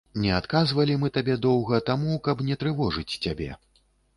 Не адказвалі мы табе доўга таму, каб не трывожыць цябе.